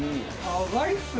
長いっすね。